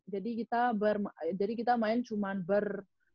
jadi kita main cuma ber sebelas